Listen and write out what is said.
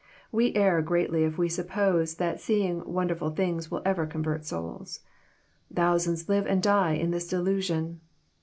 We err greatly if we suppiose that seeing wonderful things will ever convert souls. Thousands live and die in this delusion.